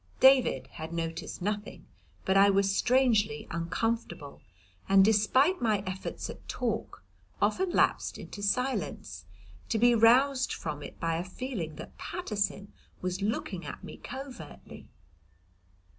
David had noticed nothing, but I was strangely uncomfortable, and, despite my efforts at talk, often lapsed into silence, to be roused from it by a feeling that Paterson was looking at me covertly.